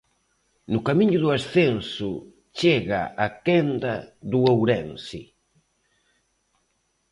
No camiño do ascenso, chega a quenda do Ourense.